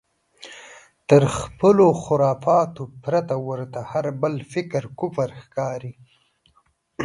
تر خپلو خرافاتو پرته ورته هر بل فکر کفر ښکاري.